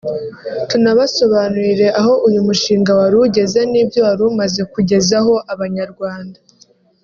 tunabasobanurire aho uyu mushinga wari ugeze n’ibyo wari umaze kugezaho abanyarwanda